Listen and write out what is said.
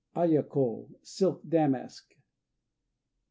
Aya ko "Silk Damask."